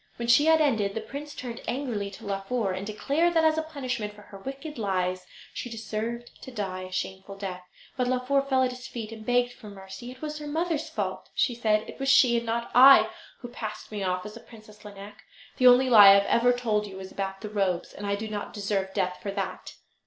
When she had ended the prince turned angrily to Laufer, and declared that, as a punishment for her wicked lies, she deserved to die a shameful death. But Laufer fell at his feet and begged for mercy. It was her mother's fault, she said: "It was she, and not I, who passed me off as the Princess Lineik. The only lie I have ever told you was about the robes, and I do not deserve death for that."